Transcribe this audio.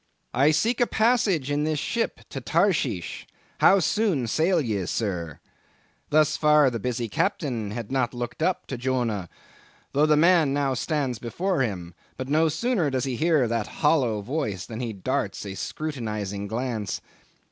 'I seek a passage in this ship to Tarshish; how soon sail ye, sir?' Thus far the busy Captain had not looked up to Jonah, though the man now stands before him; but no sooner does he hear that hollow voice, than he darts a scrutinizing glance.